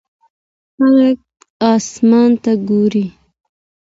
خلک اسمان ته ګوري.